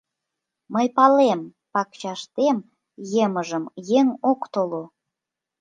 — Мый палем, пакчаштем емыжем еҥ ок толо.